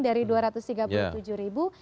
dari dua ratus tiga puluh tujuh ribu